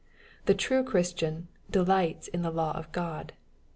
The true Christian "delights in the law of God."